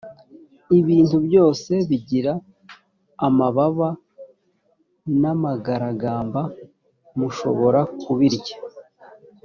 ibintu byose bigira amababa n’ amagaragamba mushobora kubirya